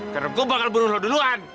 karena gue bakal bunuh lo duluan